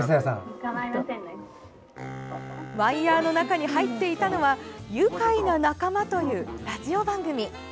ワイヤーの中に入っていたのは「愉快な仲間」というラジオ番組。